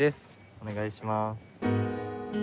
お願いします。